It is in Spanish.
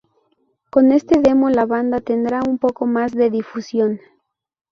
Con este demo la banda tendrá un poco más de difusión.